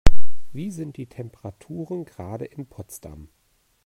Wie sind die Temperaturen gerade in Potsdam?